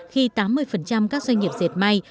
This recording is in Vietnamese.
khi tám mươi các doanh nghiệp dệt may